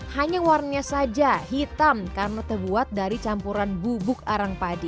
hanya warnanya saja hitam karena terbuat dari campuran bubuk arang padi